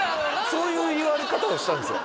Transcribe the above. そういう言われ方をしたんですよ